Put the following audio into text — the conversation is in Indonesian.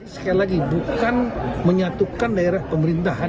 sekali lagi bukan menyatukan daerah pemerintahan